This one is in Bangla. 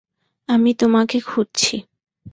আমি তোমাকে খুঁজছি।